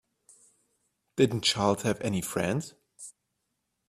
Didn't Charles have any friends?